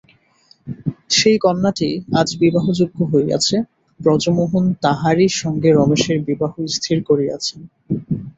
সেই কন্যাটি আজ বিবাহযোগ্যা হইয়াছে, ব্রজমোহন তাহারই সঙ্গে রমেশের বিবাহ স্থির করিয়াছেন।